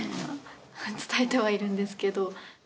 伝えてはいるんですけど。